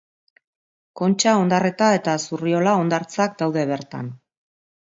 Kontxa, Ondarreta eta Zurriola hondartzak daude bertan.